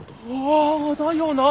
あだよな。